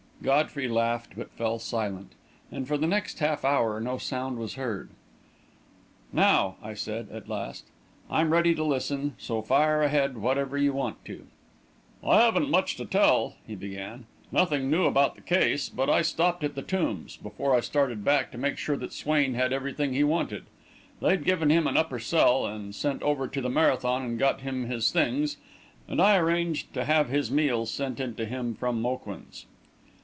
Godfrey laughed, but fell silent; and for the next half hour, no sound was heard. "Now," I said, at last, "I'm ready to listen, so fire ahead whenever you want to." "I haven't much to tell," he began; "nothing new about the case. But I stopped at the Tombs, before I started back, to make sure that Swain had everything he wanted. They'd given him an upper cell, and sent over to the Marathon and got him his things, and I arranged to have his meals sent in to him from Moquin's."